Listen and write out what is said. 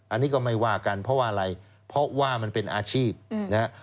อันนี้ก็ไม่ว่ากันเพราะว่าอะไรเพราะว่ามันเป็นอาชีพนะฮะ